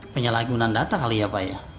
penyala gunaan data kali ya pak ya